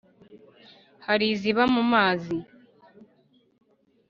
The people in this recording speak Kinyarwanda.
Hari iziba mu mazi